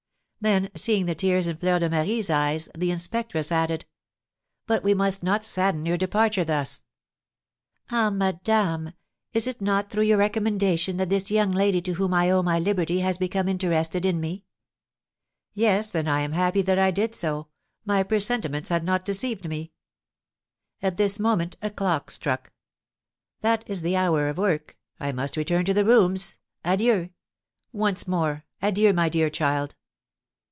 Then, seeing the tears in Fleur de Marie's eyes, the inspectress added, "But we must not sadden your departure thus." "Ah, madame, is it not through your recommendation that this young lady to whom I owe my liberty has become interested in me?" "Yes, and I am happy that I did so; my presentiments had not deceived me." At this moment a clock struck. "That is the hour of work; I must return to the rooms. Adieu! Once more adieu, my dear child!"